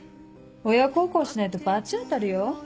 親孝行しないと罰当たるよ。